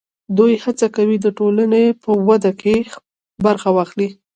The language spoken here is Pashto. دوی هڅه کوي د ټولنې په وده کې برخه واخلي.